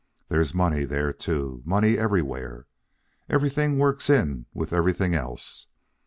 There's money there, too money everywhere. Everything works in with everything else.